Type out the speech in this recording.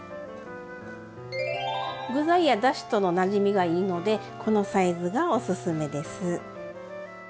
具材やだしとのなじみがいいのでこのサイズがおすすめです。